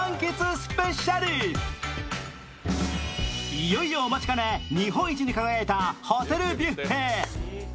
いよいよお待ちかね、日本一に輝いたホテルビュッフェへ。